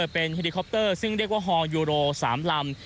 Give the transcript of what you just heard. เป็นเฮลิคอปเตอร์ซึ่งเรียกว่าฮอลยูโร๓ลำ